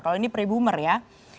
kalau ini pre boomer ya